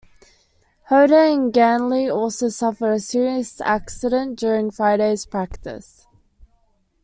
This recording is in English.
Howden Ganley also suffered a serious accident during Friday's practice.